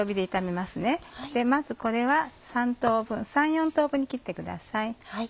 まずこれは３４等分に切ってください。